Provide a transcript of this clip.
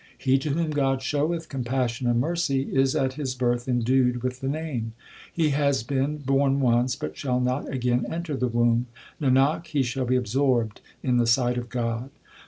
He to whom God showeth compassion and mercy, Is at his birth endued with the Name ; He has been born once, but shall not again enter the womb ; Nanak, he shall be absorbed in the sight of God.